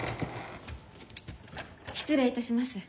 失礼いたします。